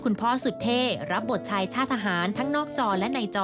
คุณพ่อสุดเท่รับบทชายชาติทหารทั้งนอกจอและในจอ